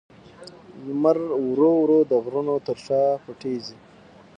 لمر ورو ورو د غرونو تر شا پټېږي.